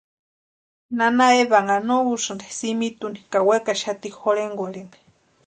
Nana Evanha no úsïnti simitu úni ka wekaxati jorhenkwarhini.